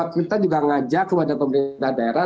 kita juga ngajak kepada pemerintah daerah